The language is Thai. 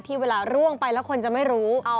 เวลาร่วงไปแล้วคนจะไม่รู้